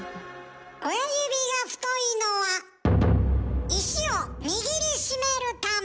親指が太いのは石を握りしめるため。